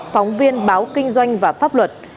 phóng viên báo kinh doanh và pháp luật